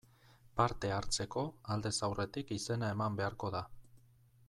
Parte hartzeko, aldez aurretik izena eman beharko da.